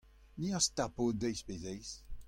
Ni az tapo deiz pe zeiz.